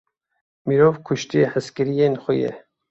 Mirov, kuştiye hezkiriyên xwe ye.